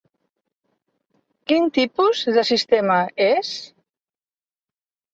Quin tipus de sistema és?